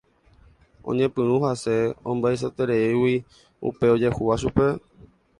Oñepyrũ hasẽ ombyasyetereígui upe ojehúva chupe.